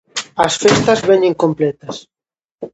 As festas veñen completas.